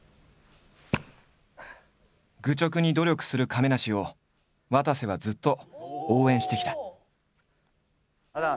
愚直に努力する亀梨をわたせはずっと応援してきた。